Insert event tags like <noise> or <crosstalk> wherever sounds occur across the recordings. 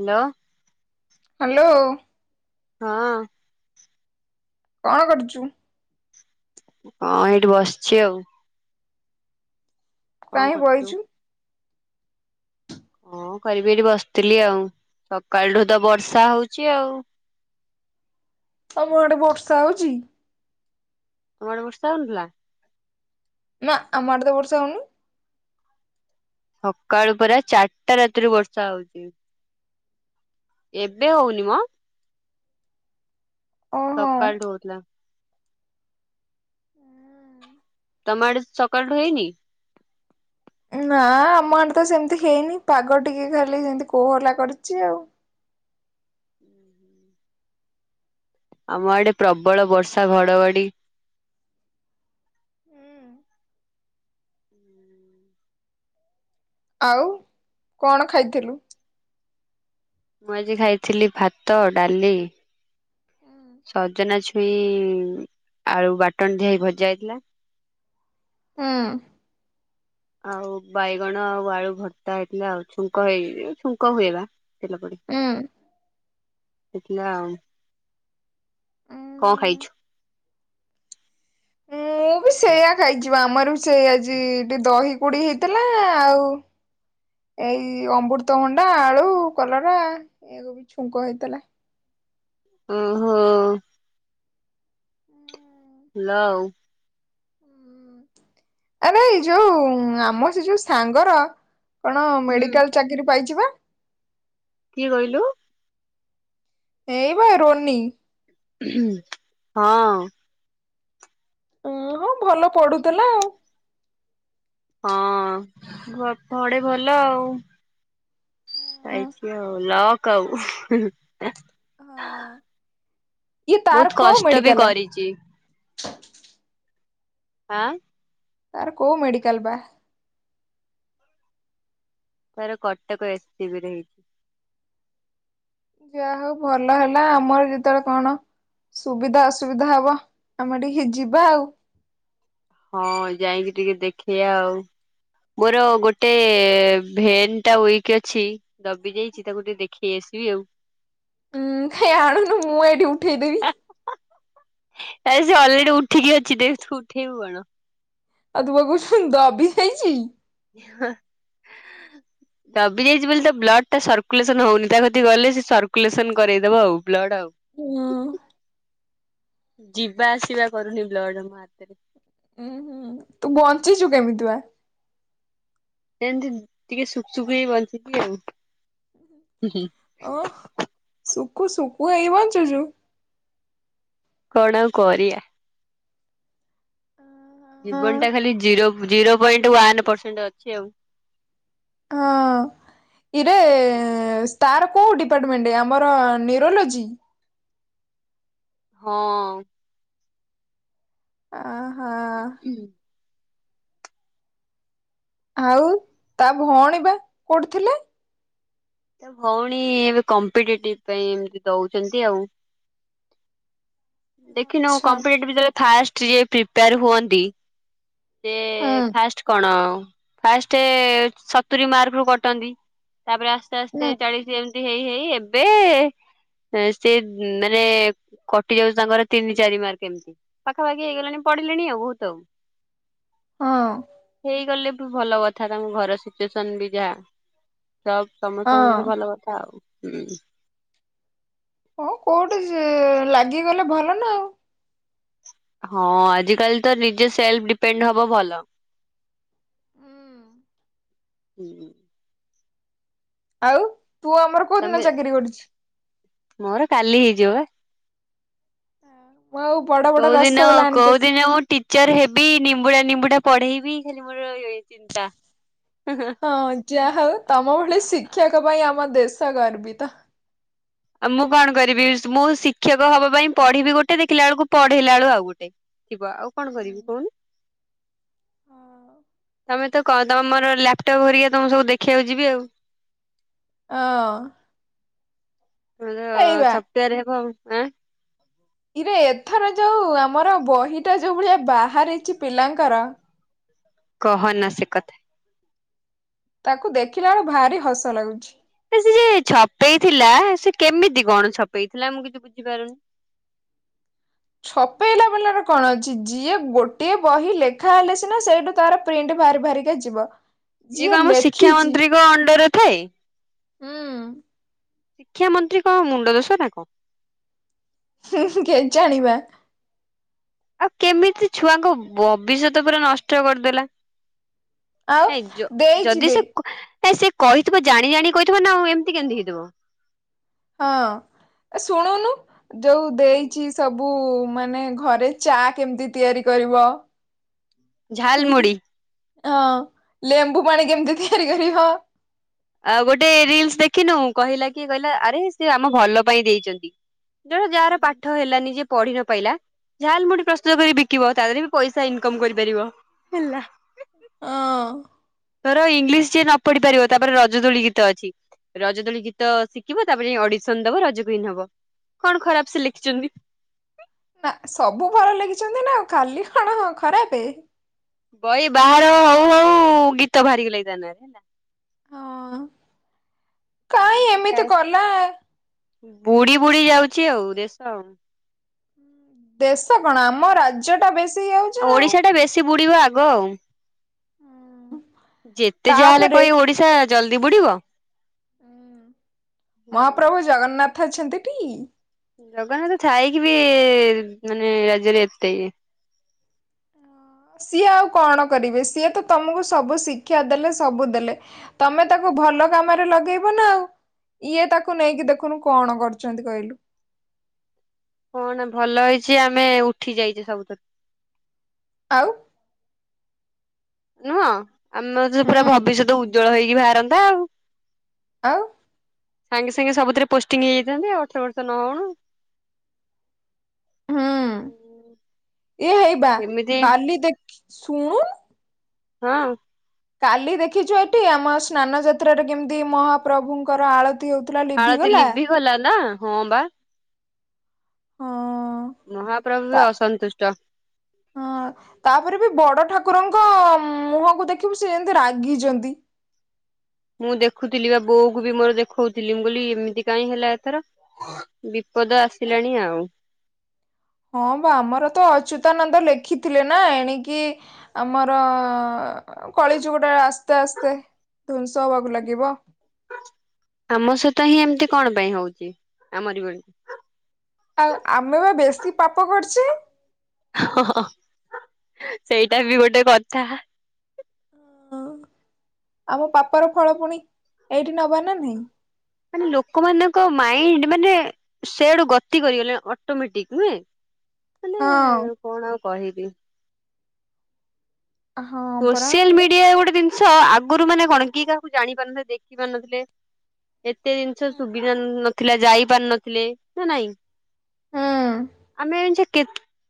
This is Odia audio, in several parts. ହାଲୋ। ହାଲୋ। ହଁ। କଣ କରୁଛୁ। ହଁ ଏଇଠି ବସିଛି ଆଉ। କଣ କାହିଁ କରୁଛୁ। ବଇଛୁ ହଁ କରିବି ଏଠି ବସିଥିଲି ଆଉ ସକାଳଠୁ ତ ବର୍ଷା ହଉଚି ଆଉ। ତମ ଆଡେ ବର୍ଷା ହଉଛି। ତମ ଆଡେ ବର୍ଷା ହେହୁନଥିଲା। ନା ଆମ ଆଢେତ ବର୍ଷା ହୋଉନି। ସକାଳୁ ପରା ଚାରିଟା ରାତିରୁ ବର୍ଷା ହଉଛି। ଏବେ ହଉନି ମ। ଓହୋ। ସକାଳଠୁ ହୋଉଥିଲା। ହୁଁ। ତମ ଆଡେ ସକାଳୁଠୁ ହେଇନି। ନା ଆମ ଆଢେ ତ ସେମିତି ହେଇନି ପାଗ ଟିକେ ଖାଲି ସେମତି କୋହଲା କରିଛି ଆଉ। ହୁଁ। ଆମ ଆଡେ ପ୍ରବଳ ବର୍ଷା ଘଡଘଡି। ହୁଁ। ହୁଁ। ଆଉ କଣ ଖାଇଥିଲୁ। ମୁଁ ଆଜି ଖାଇଥିଲି ଭାତ ଡାଲି ସଜନା ଛୁଁଇ ଛୁଁଇ ଆଳୁ ବାଟଣ ଦିଆହେଇ ଭଜା ହେଇଥିଲା। ହଁ। ଆଉ ବାଇଗଣ ଆଉ ଆଳୁ ଭର୍ତ୍ତା ହେଇଥିଲା ଆଉ ଛୁଙ୍କହେଇ ଛୁଙ୍କ ହୁଏବା। ତେଲପଢିକି। ହୁଁ। ହେଇଥିଲା ଆଉ କଣ ଖାଇଛୁ। ମୁଁ ବି ସେୟା ଖାଇଚିବା ଆମରବି ସେ ଆଜି ଟିକେ ଦହିକୁଢି ହେଇଥିଲା ଆଉ। ଏଇ ଅମୃତଭଣ୍ଡା ଆଳୁ କଲରା ଏଆକୁ ଛୁଙ୍କ ହେଇଥିଲା। ଅ ହଁ। ଲଉ। ଆରେ ଏ ଯୋଉ ଆମ ସେ ଯୋଉ ସାଙ୍ଗର କଣ ହୁଁ ମେଡିକାଲ ଚାକିରି ପାଇଛି ପା। କିଏ କହିଲୁ। ଏଇ ପା ରୋନୀ। ହୁଁ ହଁ। ଅଁ ହଁ ଭଲ ପଢୁଥିଲା ଆଉ। ହଁ ପଢେ ଭଲ ଆଉ। ହଁ ପାଇଛି ଆଉ ଲକ୍ ଆଉ। ହଁ ଇଏ ତାର ବହୁତ୍ କୋଉ କଷ୍ଟ ବି ମେଡିକାଲ କରିଛି। ଆଁ। ତାର କୋଉ ମେଡିକାଲ ବା। ତାର କଟକ ଏସ୍ ସି ବିରେ ହେଇଛି। ଯାହା ହଉ ଭଲ ହେଲା ଆମର ଯେତେବେଳେ କଣ ସୁବିଧା ଅସୁବିଧା ହବ ତମ ଠୀକି ଯିବା ଆଉ। ହଁ ଯାଇକି ଟିକେ ଦେଖେଇଆ ଆଉ। ମୋର ଗୋଟେ ଭେନ୍ ଟା ଉଇକ୍ ଅଛି। ଦବି ଯାଇଛି ତାକୁ ଟିକେ ଦେଖେଇ ଆସିବି ଆଉ। ଉଁ କାଇଁ ଆଣୁନୁ ମୁଁ ଏଇଠି ଉଠେଇଦେବି। ଆରେ ସେ ଅଲରେଡି ଉଠିକି ଅଛି ଦେଇ ଥୁ ଉଠେଇବୁ କଣ। ଆଉ ତୁ ପା କହୁଚୁ ଦବିଯାଇଛି। ହଁ। ଦବିଯାଇଛି ବୋଲିତ ବ୍ଲଡ଼୍ ଟା ସର୍କୁଲେସନ ହଉନି ତା କତିକି ଗଲେ ସେ ସର୍କୁଲେସନ କରେଇଦବ ଆଉ ବ୍ଲଡ଼୍ ଆଉ। ହଁ। ଯିବା ଆସିବା କରୁନି ବ୍ଲଡ୍ ମୋ ହାତରେ। ଉଁ ହୁଁ ତୁ ବଞ୍ଚିଛୁ କେମିତି ବା? ଏମିତି ଟିକେ ଶୁଖ୍ ସୁଖ୍ ହେଇ ବଞ୍ଚିଛି ଆଉ ହିହି। ଓଃ ଶଖୁ ଶଖୁ ହେଇ ବଞ୍ଚୁଛୁ। କଣ ଆଉ କରିଆ। ହଁ ଜୀବନଟା ଖାଲି ଜିରୋ ପ୍ ଜିରୋ ପଏଣ୍ଟ ୱାନ ପର୍ସେଣ୍ଟ ଅଛି ଆଉ। ହଁ। ଇରେ ତାର କୋଉ ଡିପାର୍ଟମେଣ୍ଟ ଆମର ନ୍ୟୁରୋଲୋଜି? ହଁ। ଆ ହା। ହୁଁ। ଆଉ ତା ଭଉଣୀ ବା କୋଉଠି ଥିଲେ? ତ ଭଉଣୀ ଏବେ କମ୍ପିଟେଟିଭ ପାଇଁ ଏମ୍ ତି ଦଉଛନ୍ତି ଆଉ। ଦେଖିନଉଁ ଆଚ୍ଛା କମ୍ପିଟେଟିଭ ଦେଲେ ଫାଷ୍ ଟିକେ ପ୍ରିପେୟାର ହୁଅନ୍ତି। ସେ ହୁଁ ଫାଷ୍ଟ୍ କଣ ଫାଷ୍ଟେ ସତୁୁରୀ ମାର୍କ ରୁ କଟନ୍ତି ତାପରେ ଆସ୍ତେ ହୁଁ ଆସ୍ତେ ଚାଳିଶି ଏମ୍ ତି ହେଇ ହେଇ ଏବେ <unintelligible> ସେ ମାନେ କଟି ଯାଉଛି ତାଙ୍କର ତିନି ଚାରି ମାର୍କ ଏମିତି। ପାଖାପାଖି ହେଇଗଲାଣି ପଢ଼ିଲେଣି ଆଉ ବୋହୁତ୍ ଆଉ। ହଁ। ହେଇଗଲେ ବି ଭଲ କଥା ତାଙ୍କ ଘର ସିଚୁଏସନ୍ ବି ଯାହା। ସବ୍ ସମସ୍ତଙ୍କ ହଁ ସହିତ ଭଲ କଥା ଆଉ। ହଁ କୋଉଠି କି ଲାଗିଗଲେ ଭଲ ନା ଆଉ। ହଁ ଆଜିକାଲି ତ ନିଜେ ସେଲ୍ଫ ଡିପେଣ୍ଡ୍ ହବ ଭଲ। ହୁଁ। ଆଉ ତୁ ଆମର କୋଉଦିନ ତମେ ଚାକିରି କରୁଛୁ? ମୋର କାଲି ହେଇଯିବ ବା। ଆ ମୁଁ ଆଉ ବଡ଼ କୋଉ ଦିନ କୋଉ ଦିନ ମୁଁ ଟି ଚର୍ ହେବି ନିମ୍ବୁଡ଼ା ନିମ୍ବୁଡ଼ା ପଢ଼େଇବି ଖାଲି ମୋର ଏଇ ଚିନ୍ତା। ହଁ ଯାହା ହଉ ତମ ଭଳି ଶିକ୍ଷକ ପାଇଁ ଆମ ଦେଶ ଗର୍ବିତ। ଆଉ ମୁଁ କଣ କରିବି ମୁଁ ଶିକ୍ଷକ ହବା ପାଇଁ ପଢ଼ିବି ଗୋଟେ ଦେଖିଲା ବେଳକୁ ପଢ଼େଇଲା ଳୁ ଆଉ ଗୋଟେ। ଥିବ ଆଉ କଣ କରିବି କହୁନୁ? ତମେ ତ କ ତମର ଲାପଟପ୍ ହେରିକା ତମ ସବୁ ଦେଖିବାକୁ ଯିବି ଆଉ। ଅ। ତମେ ତ ସଫ୍ଟଓୟାର ହେବ ଆଉ ଆଁ। ଇରେ ଏଥର ଯୋଉ ଆମର ବହିଟା ଯୋଉ ଭଳିଆ ବାହାରିଛି ପିଲାଙ୍କର। କହନା ସେ କଥା। ତାକୁ ଦେଖିଲା ବେଳେ ଭାରି ହସ ଲାଗୁଛି। ସେ ଯେ ଛପେଇଥିଲା ସେ କେମିତି କଣ ଛପେଇଥିଲା ମୁଁ କିଛି ବୁଝିପାରୁନି। ଛପେଇଲା ବେଲାରେ କଣ ଅଛି? ଯିଏ ଗୋଟିଏ ବହି ଲେଖା ହେଲେ ସିନା ସେଇଠୁ ତାର ପ୍ରିଣ୍ଟ ବାହାରି ବାହାରିକା ଯିବ। ଇଏ ଯିଏ କଣ ଆମ ଶିକ୍ଷା ଲେଖିଛି ମନ୍ତ୍ରୀଙ୍କ ଅଣ୍ଡର ରେ ଥାଏ। ହୁଁ। ଶିକ୍ଷା ମନ୍ତ୍ରୀ କଣ ମୁଣ୍ଡ ଦୋଷ ନା କଣ? ହୁଁ ହୁଁ କେଜାଣିବା। ଆଉ କେମିତି ଛୁଆଙ୍କ ଭବିଷ୍ୟତ ପୁରା ନଷ୍ଟ କରିଦେଲା। ଆଉ ନାଇ ଯ ଯଦି ଦେଇଯିବେ ସେ ନାଇ ସେ କହିଥିବ ଜାଣି ଜାଣି କହିଥିବ ନା ଆଉ ଏମିତି କେମିତି ହେଇଥିବ। ହଁ ଶୁଣୁନୁ ଯୋଉ ଦେଇଛି। ସବୁ ମାନେ ଘରେ ଚା କେମିତି ତିଆରି କରିବ। ଝାଲ ମୁୁଡି ହଁ ଲେମ୍ବୁ ପାଣି କେମିତି ତିଆରି କରିବ। ଆଉ ଗୋଟେ ରିଲ୍ସ ଦେଖିନୁ। କହିଲା କି କହିଲା ଆରେ ସେ ଆମ ଭଲ ପାଇଁ ଦେଇଛନ୍ତି। ଜଣେ ଯାହାର ପାଠ ହେଲାନି ଯିଏ ପଢି ନ ପାଇଲା। ଝାଲ ମୁଢି ପ୍ରସ୍ତୁତ କରି ବିକିବ। ତା ଦେହରେ ବି ପଇସା ଇନକମ କରିପାରିବ ହେଲା। ହଁ। ଧର ଇଂଗ୍ଲୀଶ ଯିଏ ନ ପଢି ପାରିବ। ତାପରେ ରଜଦୋଳି ଗୀତ ଅଛି। ରଜଦୋଳି ଗୀତ ଶିଖିବ ତାପରେ ଅଡିସନ ଦବ ରଜକୁଇନ ହବ। କଣ ଖରାପ ସେ ଲେଖିଛନ୍ତି? ନା ସବୁ ଭଲ ଲେଖିଛନ୍ତି ନା। ଖାଲି କଣ ଖରାପ। ବହି ବାହାର ହଉ ହଉ ଗୀତ ବାହାରି ଗଲାନି ତାନାଁରେ। ହଁ। କାହିଁ ଏମତି ଛା ଏମିତି କଲା ବୁଡି ବୁଡି ଯାଉଛି ଆଉ ଦେଶ ଆଉ। ଦେଶ କଣ ଆମ ରାଜ୍ୟ ଟା ବେଶ୍ ଉ ଓଡିଶା ଟା ବେଶୀ ବୁଡିବ ଆଗ ଆଉ। ଯେତେ ଯାହାହେଲେ ତାପରେ କଣ ଓଡିଶା ଜଲଦି ବୁଡିବ। ହୁଁ ମହାପ୍ରଭୁ ଜଗନ୍ନାଥ ଅଛନ୍ତିଟି। ଜଗନ୍ନାଥ ଥାଇକି ବି ମାନେ ରାଜ୍ୟରେ ଏତେ ଇଏ। ସିଏ ଆଉ କଣ କରିବେ। ସିଏ ତ ତମକୁ ସବୁ ଶିକ୍ଷା ଦେଲେ ସବୁ ଦେଲେ। ତମେ ତାକୁ ଭଲ କାମରେ ଲଗେଇବ ନା ଆଉ। ଇଏ ତାକୁ ନେଇକି ଦେଖୁନୁ କଣ କରୁଛନ୍ତି କହିଲୁ। କଣ ଭଲ ହେଇଛି ଆମେ ଉଠି ଯାଇଛୁ ସବୁଥିରୁ। ଆଉ। ନୁହଁ ଆମର ତ ପୁରା ହୁଁ ଭବିଷ୍ୟତ ଉଜ୍ଜଳ ହେଇକି ବାହାରନ୍ତା ଆଉ। ଆଉ। ସାଙ୍ଗେ ସାଙ୍ଗେ ସବୁଥିରେ ପୋଷ୍ଟିଂ ହେଇଯାଇଥାନ୍ତି ଅଠର ବର୍ଷ ନହଉଣୁ। ହୁଁ ଇଏ ହେଇବା କେମିତି କାଲି ଦେଖି ଶୁଣୁନୁ। ହଁ। କାଲି ଦେଖିଛୁ ଏଠି ଆମ ସ୍ନାନ ଯାତ୍ରାରେ କେମିତି ମହାପ୍ରଭୁଙ୍କର ଆଳ ଆଳତି ଲିଭିି ଗଲା ନା ହଁ ବା। ହଁ ମହାପ୍ରଭୁ ତା ବି ଅସନ୍ତୁଷ୍ଟ। ହଁ ତାପରେ ବି ବଡ ଠାକୁରଙ୍କ ମୁହଁକୁ ଦେଖିବୁ। ସେ ଯେମତି ରାଗିଛନ୍ତି। ମୁଁ ଦେଖୁଥିଲି ବା ବୋଉ କୁ ବି ମୋର ଦେଖଉଥିଲି ମୁଁ କହିଲି ଏମିତି କାଇଁ ହେଲା ଏଥର। ବିପଦ ଆସିଲାଣି ଆଉ। ହଁ ବା ଆମର ତ ଅଚ୍ୟୁତାନନ୍ଦ ଲେଖିଥିଲେ ନା। ଏଣିକି ଆମର କଳିଯୁଗଟା ଆସ୍ତେ ଆସ୍ତେ ଧ୍ଵଂସ ହବାକୁ ଲାଗିବ। ଆମ ସହିତ ହିଁ ଏମତି କଣ ପାଇଁ ହଉଛି? ଆମରି ଭଳି। ଆଉ ଆମେ ବା ବେଶୀ ପାପ କରିଛେ। ଓ ଓ ସେଇଟା ବି ଗୋଟେ କଥା। ଆମ ପାପ ର ଫଳ ପୁଣି ଏଇଠି ନବା ନା ନାହଁ? ମାନେ ଲୋକମାନଙ୍କ ମାଇଣ୍ଡ୍! ମାନେ-ଏ ସେଇଆଡୁ ଗତି କରିଗଲେ, ଅଟୋମେଟିକ୍ ନୁହେଁ। ମାନେ ହଁ। କଣ ଆଉ କହିବି? ହଁ ପରା। ସୋସିଆଲ ମିଡିଆ ଗୋଟେ ଜିନିଷ, ଆଗରୁ ମାନେ କଣ କିଏ କାହାକୁ ଜାଣି ପାରୁନଥିଲେ ଦେଖି ପାରୁନଥିଲେ? ଏତେ ଜିନିଷ ସୁବିଧା ନଥିଲା। ଯାଇ ପାରୁ ନଥିଲେ ନା ନାଇଁ। ହୁଁ। ଆମେ ଏଇଞ୍ଚା କେ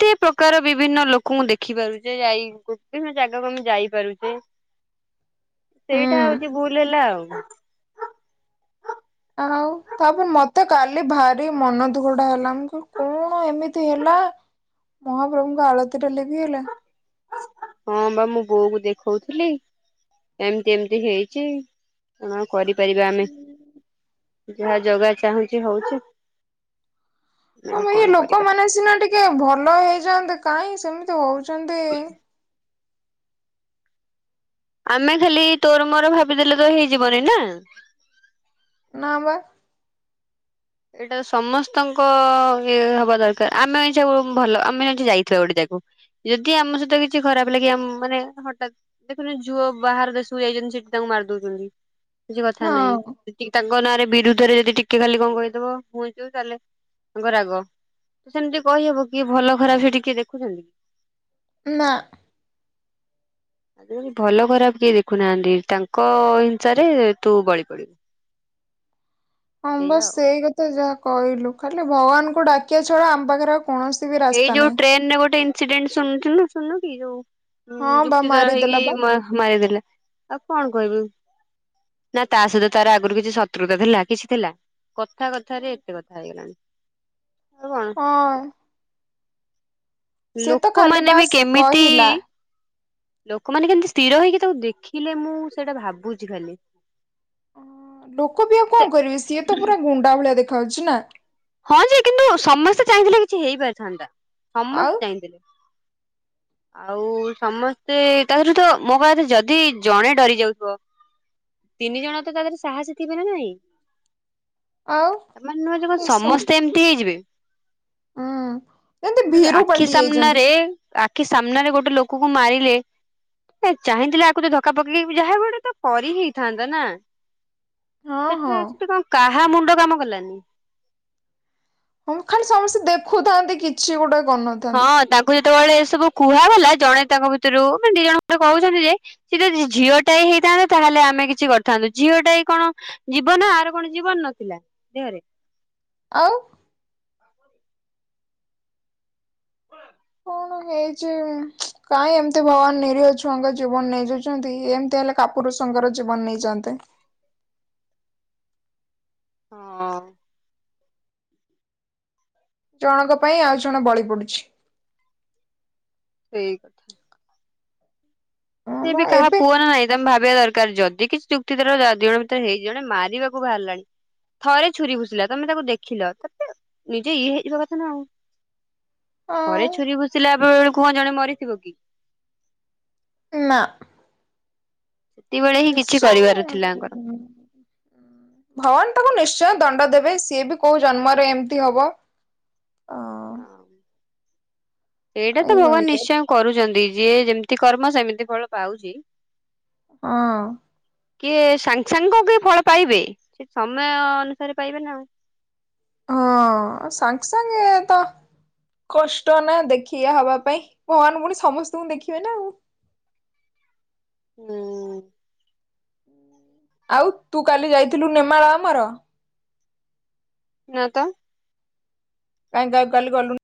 ତେ ପ୍ରକାର ବିଭିନ୍ନ ଲୋକଙ୍କୁ ଦେଖିପାରୁଛେ, ଯାଇ ପାରୁଛେ, ମାନେ ଜାଗାକୁ ଆମେ ଯାଇପାରୁଛେ, ସେଇଟା ହୁଁ ହଉଛି ଭୁଲ୍ ହେଲା ଆଉ। ଆଉ, ତା'ପରେ ମତେ କାଲି ଭାରି ମନ ଦୁଖଡ଼ା ହେଲା। ମୁଁ କହି କଣ ଏମିତି ହେଲା? ମହାପ୍ରଭୁଙ୍କ ଆଳତୀଟା ଲିଭିଅଲା। ହଁବା, ମୋ ବୋଉ କୁ ଦେଖଉଥିଲି। ଏମତି ଏମତି ହେଇଛି, କଣ କରିପାରିବା ଆମେ? ଯାହା ଜଗା ଚାହୁଁଛି, ହଉଛି। ହଁ, ଆଉ ମ କଣ ଏଇ କରିବା। ଲୋକମାନେ ସିନା ଟିକେ ଭଲ ହେଇଯାଆନ୍ତେ, କାହିଁ ସେମିତି ହଉଛନ୍ତି? ଆମେ ଖାଲି, ତୋର ମୋର ଭାବିଦେଲେ ତ ହେଇଯିବନି ନା? ନାଁ ବା। ଏଇଟା ସମସ୍ତଙ୍କ-ଅ ଇଏ ହବା ଦରକାର। ଆମେ ଏଇଛା ଭଲ, ଆମେ ଆଛା ଯାଇଥିବା ଗୋଟେ ଜାଗାକୁ। ଯଦି ଆମ ସହିତ କିଛି ଖରାପ ଲାଗେ। ଆମ୍ ମାନେ ହଠାତ୍ ଦେଖୁନ ଝୁଅ, ବାହାର ଦେଶକୁ ଯାଇଛନ୍ତି। ସେଠି ତାଙ୍କୁ ମାରି ଦଉଛନ୍ତି। କିଛି କଥା ହଁ ନାହିଁ। ଯେମିତି ତାଙ୍କ ନାଁରେ ବିରୁଦ୍ଧରେ ଯଦି ଟିକେ, ଖାଲି କଣ କହି ଦବ, ହୁଁ, ଯଉ ଚାଲେ ତାଙ୍କ ରାଗ। ସେମିତି କହିହବ, କିଏ ଭଲ ଖରାପ ସେଠି କିଏ ଦେଖୁଛନ୍ତି? ନା। ହୁଁ ଭଲ ଖରାପ କିଏ ଦେଖୁନାହାଁନ୍ତି। ତାଙ୍କ-ଅ ହିଂସାରେ ତୁ ବଳି ପଡିବୁ। <unintelligible> ହଁ, ବା, ଏଇଆ ଆଉ ସେଇ କଥା ଯାହା କହିଲୁ। ଖାଲି ଭଗବାନଙ୍କୁ ଡାକିଆ ଛଡା ଆମ ପାଖରେ ଆଉ କୌଣସି ବି ରା ଏଇ ଯୋଉ ଟ୍ରେନ୍ ରେ ଗୋଟେ ଇନ୍ ସିଡେଣ୍ଟ୍ ଶୁଣଚୁ ଶୁଣୁନୁ କି, ଯୋଉ ହଁ ବା ଯୁକ୍ତିତର ହେଇକି, ମାରିଦେଲା ବା। ମାରିଦେଲେ। ଆଉ କଣ କହିବୁ? ନା ତା ସହିତ ତାର ଆଗରୁ କିଛି ଶତ୍ରୁତା ଥିଲା କିଛି ଥିଲା! କଥା କଥାରେ ଏତେ କଥା ହେଇଗଲାଣି ଆଉ କଣ? ହଁ ସିଏ ତ ଖାଲି ଲୋକମାନେ ବି ବାସ୍ କହିଲା। କେମିତି-ଇ ଲୋକମାନେ କେମତି ସ୍ଥିର ହେଇକି ତାକୁ ଦେଖିଲେ? ମୁଁ ସେଇଟା ଭାବୁଛି ଖାଲି। ଲୋକ ବିି ଆଉ ସେ କଣ କରିବେ? ସିଏ ତ ପୁରା ଗୁଣ୍ଡା ଭଳିଆ ଦେଖାହଉଛି ନା! ହଁ ଯେ, କିନ୍ତୁ ସମସ୍ତେ ଚାହିଁଥିଲେ, କିଛି ହେଇପାରିଥାନ୍ତା! ଆଉ ସମସ୍ତେ ଚାହିଁଥିଲେ। <unintelligible> ଆଉ, ସମସ୍ତେ ତା ଧେରେ ତ ମୋ କହିବା କଥା, ଯଦି ଜଣେ ଡରି ଯାଉଥିବ! ତିନି ଜଣ ତ ତା ଦେହେରେ ସାହସୀ ଥିବେ ନା ନାଇଁ! ଆଉ ମାନେ ନୁହଁ, ଯେ ବସ୍ ଏ ସବୁ ସେମତି ହେଇଯିବେ। ହୁଁ ଯେମିତି <inaudible> ଭୀରୁ ଆଖି ପାଲଟି ଯାଇଛନ୍ତି। ସାମ୍ନାରେ ଆଖି ସାମ୍ନାରେ ଗୋଟେ ଲୋକକୁ ମାରିଲେ। ଏ ଚାହିଁଥିଲେ ଆକୁ ତ ଧକ୍କା ପକେଇକି, ଯାହା ଗୋଟେ ତ କରି ହେଇଥାନ୍ତା ନା। ହଁ ହଁ ସେଠରେ ସେଠି କଁ, କାହା ମୁଣ୍ଡ କାମ କଲାନି? ହଁ, ପା ଖାଲି ସମସ୍ତେ ଦେଖୁଥାନ୍ତି, କି ହଁ, ତାଙ୍କୁ ଯେତେବେଳେ ଏ ସବୁ କୁହାଗଲା। ଜଣେ ତାଙ୍କ ଭିତରୁ ମାନେ ଦି ଜଣ ଖଣ୍ଡେ କହୁଛନ୍ତି, ଯେ ସେ ଯଦି ଝିଅ ଟାଏ ହେଇଥାନ୍ତତା, ତାହେଲେ ଆମେ କିଛି କରିଥାନ୍ତୁ। ଝିଅଟାଏ କଣ ଜୀବନ, ଆର କଣ ଜୀବନ ନଥିଲା ଦେହରେ। ଆଉ। <inaudible> କଣ ହେଇଛି। କାଁ ଏମିତି ଭଗବାନ ନିରୀହ ଛୁଆଙ୍କ ଜୀବନ ନେଇଯାଉଛନ୍ତି? ଏମିତି ହେଲେ କା ପୁରୁଷଙ୍କର ଜୀବନ ନେଇଯାଆନ୍ତେ। ହଁ। ଜଣଙ୍କ ପାଇଁ ଆଉ ଜଣେ ବଳି ପଡୁଛି। ସେଇ କଥା। ହଁ ସେ ବା ବି କାହା ଏବେ ପୁଅ ନା ନାଇଁ? ତମେ ଭାବିବା ଦରକାର ଯଦି କିଛି ଯୁକ୍ତିତର ଦି ଜଣ ଭିତରେ ହେଇ ଜଣେ ମାରିବାକୁ ବାହାରିଲାଣି। ଥରେ ଛୁରୀ ଭୂଷିଲ ତମେ ତାକୁ ଦେଖିଲ ତାପରେ ନିଜେ ଇଏ ହେଇଯିବା କଥା ନା ଆଉ। ଥରେ ଆଉ ଛୁରୀ ଭୁସିଲା ବେ ବେଳକୁ କୁହ ଜଣେ ମରିଥିବ କି? ନା। ସେତବେଳେ ହିଁ କିଛି ନିଶ୍ଚୟ କରିବାର ଥିଲା ଆଙ୍କର। ଭଗବାନ ତାକୁ ନିଶ୍ଚୟ ଦଣ୍ଡ ଦେବେ ସିଏ ବି କୋଉ ଜନ୍ମରେ ଏମିତି ହବ। ଅ ଏଇଟା ତ ଭଗବାନ ଏଇ ନିଶ୍ଚୟ କରୁଛନ୍ତି, ଯିଏ ଯେମିତି କର୍ମ ସେମିତି ଫଳ ପାଉଛି। ହଁ ହଁ। କିଏ ସାଙ୍ଗେ ସାଙ୍ଗ କଣ କି ଫଳ ପାଇବେ ସେ ସମୟ ଅନୁସାରେ ପାଇବେ ନା ଆଉ। ହଁ ସାଙ୍ଗେ ସାଙ୍ଗେ ଏ ତ। କଷ୍ଟ ନା ଦେଖଆ ହବା ପାଇଁ ଭଗବାନ ପୁଣି ସମସ୍ତଙ୍କୁ ଦେଖିବେ ନା ଆଉ। ହୁଁ। ଆଉ ତୁ କାଲି ଯାଇଥିଲୁ ନେମାଳ ଆମର? ନା ତ। କାଇଁ ଗା ଗଲୁନି।